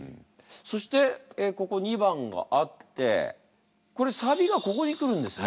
そしてここ２番があってこれサビがここに来るんですね。